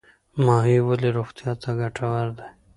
ماهي ولې روغتیا ته ګټور دی؟